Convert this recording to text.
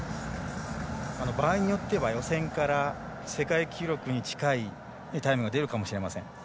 場合によっては予選から世界記録に近いタイムが出るかもしれません。